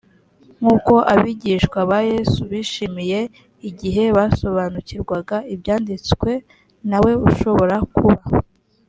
nk uko abigishwa ba yesu bishimye igihe basobanukirwaga ibyanditswe nawe ushobora kuba